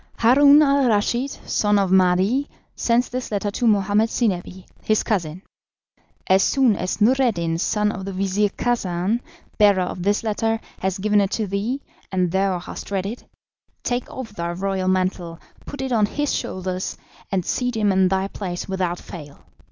"Haroun al Raschid, son of Mahdi, sends this letter to Mohammed Zinebi, his cousin. As soon as Noureddin, son of the Vizir Khacan, bearer of this letter, has given it to thee, and thou hast read it, take off thy royal mantle, put it on his shoulders, and seat him in thy place without fail.